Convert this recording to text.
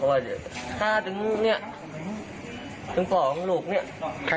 ว่าจะฆ่าถึงของลูก